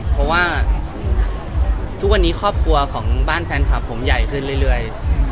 เพราะว่าทุกวันนี้ครอบครัวของบ้านแฟนคลับผมใหญ่ขึ้นเรื่อย